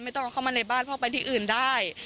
ไม่ต้องเข้ามาในบ้านพ่อไปที่อื่นได้